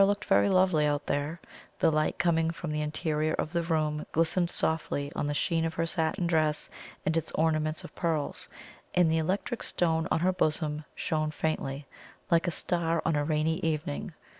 Zara looked very lovely out there; the light coming from the interior of the room glistened softly on the sheen of her satin dress and its ornaments of pearls; and the electric stone on her bosom shone faintly, like a star on a rainy evening.